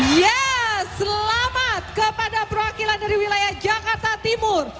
ya selamat kepada perwakilan dari wilayah jakarta timur